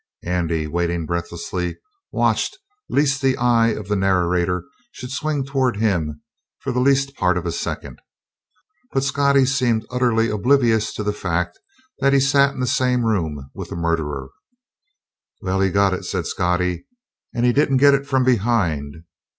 Andy, waiting breathlessly, watched lest the eye of the narrator should swing toward him for the least part of a second. But Scottie seemed utterly oblivious of the fact that he sat in the same room with the murderer. "Well, he got it," said Scottie. "And he didn't get it from behind.